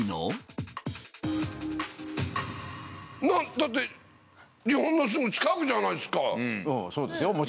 なっだって日本のすぐ近くじゃないですか。